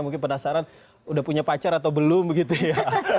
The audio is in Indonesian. mungkin penasaran udah punya pacar atau belum begitu ya